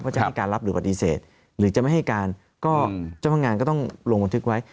จะให้การรับหรือปฏิเสธหรือจะไม่ให้การก็เจ้าพนักงานก็ต้องลงบันทึกไว้